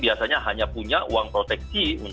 biasanya hanya punya uang proteksi